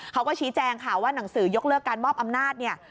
เขาก็ชี้แจงค่ะว่าหนังสือยกเลิกการมอบอำนาจเนี่ย